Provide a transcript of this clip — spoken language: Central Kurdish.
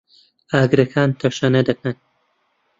ئاگرەکان تەشەنە دەکەن.